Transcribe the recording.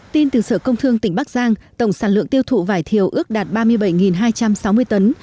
tin từ sở công thương tỉnh bắc giang tổng sản lượng tiêu thụ vải thiều ước đạt ba mươi bảy hai trăm sáu mươi tấn